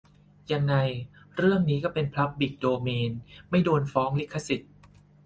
ยังไงเรื่องนี้ก็เป็นพับลิกโดเมน ไม่โดนฟ้องลิขสิทธิ์